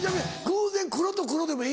偶然黒と黒でもいいの？